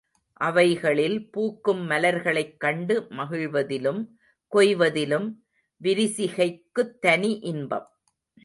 அவைகளில் பூக்கும் மலர்களைக் கண்டு மகிழ்வதிலும் கொய்வதிலும் விரிசிகைக்குத் தனி இன்பம்.